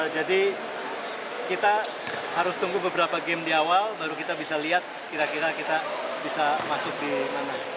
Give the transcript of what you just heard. jadi kita harus tunggu beberapa game di awal baru kita bisa lihat kira kira kita bisa masuk di mana